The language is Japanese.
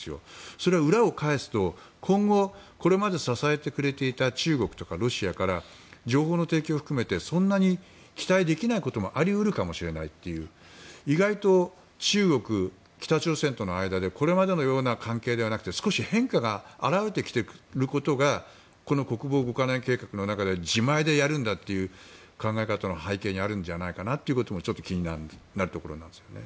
それは裏を返すと今後これまで支えてくれていた中国やロシアから情報の提供を含めてそんなに期待できないこともあり得るかもしれないという意外と中国、北朝鮮との間でこれまでのような関係ではなくて少し変化が表れてきていることがこの国防５か年計画の中での自前でやるんだという考え方の背景にあるんじゃないかなということも気になるところなんですがね。